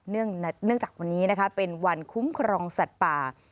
เนื่องจากวันนี้นะคะเป็นวันคุ้มครองสัตว์ป่า